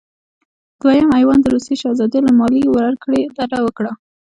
دویم ایوان د روسیې شهزاده له مالیې ورکړې ډډه وکړه.